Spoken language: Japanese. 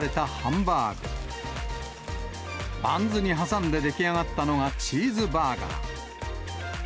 バンズに挟んで出来上がったのが、チーズバーガー。